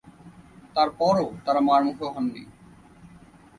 তার পরও তাঁরা মারমুখো হননি।